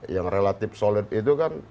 yang relatif solid itu kan